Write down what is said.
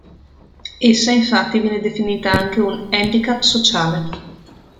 Essa infatti viene definita anche un "handicap sociale".